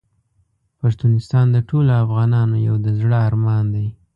پښتونستان د ټولو افغانانو یو د زړه ارمان دی .